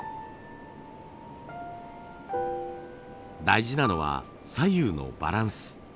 大事なのは左右のバランス。